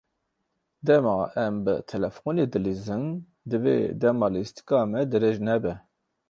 Dema em bi telefonê dilîzin divê dema lîstika me dirêj nebe.